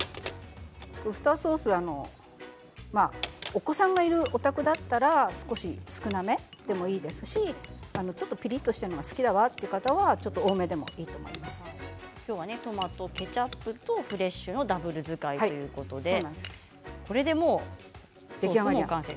ウスターソースはお子さんがいるお宅だったら少し少なめでもいいですしちょっとピリっとしたのが好きだわという方は今日はトマトケチャップとフレッシュのダブル使いということでこれでもう完成。